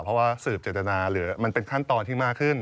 เพราะว่าสืบเจตนาหรือมันเป็นขั้นตอนที่มากขึ้น